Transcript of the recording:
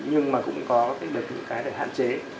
nhưng mà cũng có cái để hạn chế